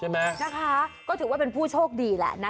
นะคะก็ถือว่าเป็นผู้โชคดีแหละนะ